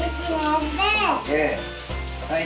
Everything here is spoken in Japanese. はい！